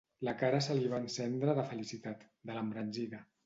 La cara se li va encendre de felicitat, de l'embranzida.